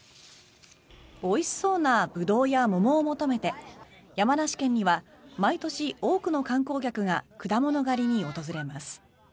おいしそうなブドウや桃を求めて山梨県には毎年多くの観光客が果物狩りに訪れます。